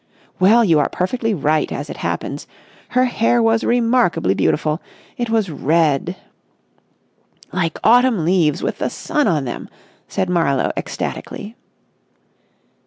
"Well, you are perfectly right, as it happens. Her hair was remarkably beautiful. It was red...." "Like autumn leaves with the sun on them!" said Marlowe ecstatically.